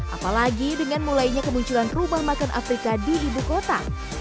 apalagi dengan mulainya kemunculan rumah makan afrika di ibu kota